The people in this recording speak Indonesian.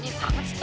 ya mamahnya sih